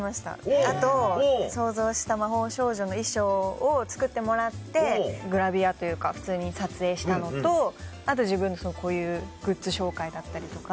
あと想像した魔法少女の衣装を作ってもらってグラビアというか普通に撮影したのとあと自分のこういうグッズ紹介だったりとか。